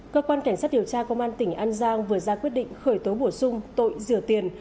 cơ quan cảnh sát điều tra công an tỉnh an giang vừa ra quyết định khởi tố bổ sung tội rửa tiền